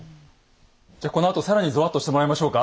じゃこのあと更にぞわっとしてもらいましょうか。